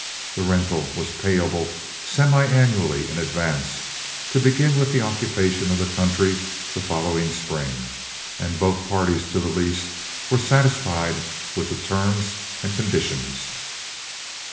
The rental was payable semiannually in advance, to begin with the occupation of the country the following spring, and both parties to the lease were satisfied with the terms and conditions.